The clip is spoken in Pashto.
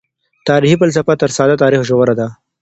تاريخي فلسفه تر ساده تاريخ ژوره ده.